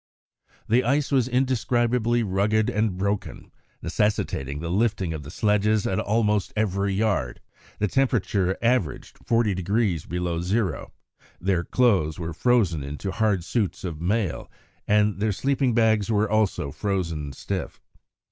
The ice was indescribably rugged and broken, necessitating the lifting of the sledges at almost every yard; the temperature averaged 40° below zero; their clothes were frozen into hard suits of mail, and their sleeping bags were also frozen stiff.